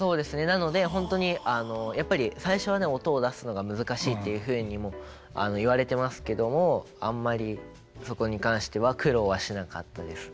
なので本当にやっぱり最初はね音を出すのが難しいっていうふうにも言われてますけどもあんまりそこに関しては苦労はしなかったです。